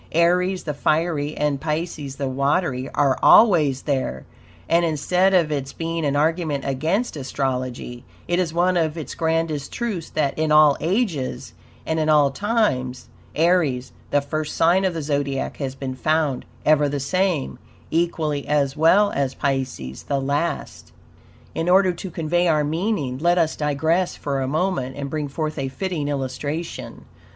Aries, the fiery, and PISCES, the watery, ARE ALWAYS THERE, and, instead of its being an argument against astrology, it is one of its grandest truths that, in all ages and in all times, Aries, the first sign of the Zodiac has been found EVER THE SAME, equally as well as Pisces the last. In order to convey our meaning, let us digress for a moment and bring forth a fitting illustration.